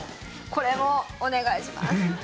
これもお願いします。